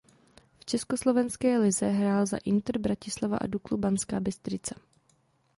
V československé lize hrál za Inter Bratislava a Duklu Banská Bystrica.